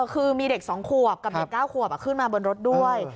คือมีเด็ก๒ขวบกับเด็ก๙ขวบขึ้นมาบนรถด้วย